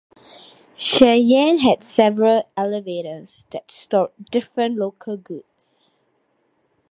Sheyenne had several elevators that stored different local goods.